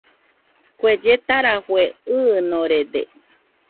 Kue lletarafue ɨɨnorede